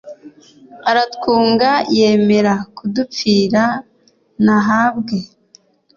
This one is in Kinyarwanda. aratwunga yemera kudupfira, nahabwe